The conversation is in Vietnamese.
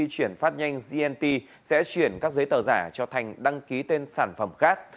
chuyển phát nhanh gnt sẽ chuyển các giấy tờ giả cho thành đăng ký tên sản phẩm khác